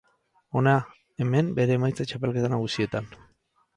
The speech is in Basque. Hona hemen bere emaitzak txapelketa nagusietan.